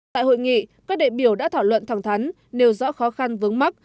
tại hội nghị các đệ biểu đã thảo luận thẳng thắn nêu rõ khó khăn vướng mắc